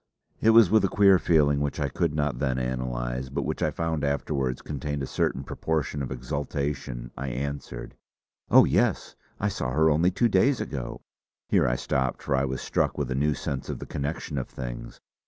It was with a queer feeling which I could not then analyse, but which I found afterwards contained a certain proportion of exultation I answered: "Oh yes! I saw her only two days ago " Here I stopped for I was struck with a new sense of the connection of things.